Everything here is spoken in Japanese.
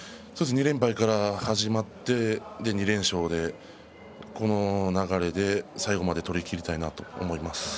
２連敗から始まって２連勝でこの流れで最後まで取りきりたいなと思います。